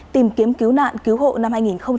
tìm kiếm cứu nạn cứu hộ năm hai nghìn hai mươi